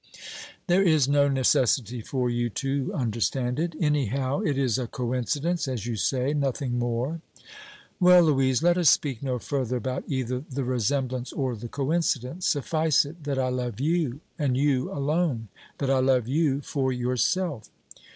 "There is no necessity for you to understand it. Anyhow, it is a coincidence, as you say nothing more." "Well, Louise, let us speak no further about either the resemblance or the coincidence. Suffice it that I love you, and you alone that I love you for yourself."